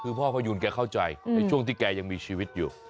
คือพ่อพยูนแกเข้าใจในช่วงที่แกยังมีชีวิตอยู่